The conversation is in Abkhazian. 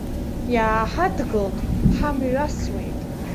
Иааҳадгылт, ҳамҩасуеит!